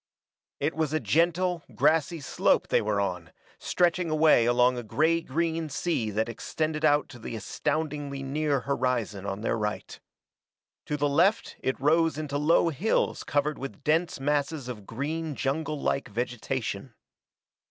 It was a gentle, grassy slope they were on, stretching away along a gray green sea that extended out to the astoundingly near horizon on their right. To the left it rose into low hills covered with dense masses of green junglelike vegetation.